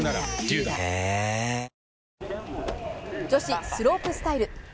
女子スロープスタイル。